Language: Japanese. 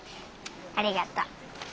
ありがとう。